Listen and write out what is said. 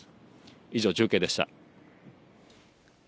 以上、中継でした。